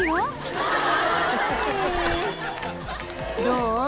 ［どう？